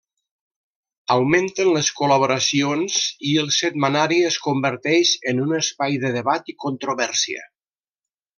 Augmenten les col·laboracions i el setmanari es converteix en un espai de debat i controvèrsia.